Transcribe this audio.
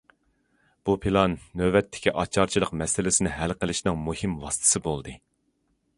بۇ پىلان نۆۋەتتىكى ئاچارچىلىق مەسىلىسىنى ھەل قىلىشنىڭ مۇھىم ۋاسىتىسى بولدى.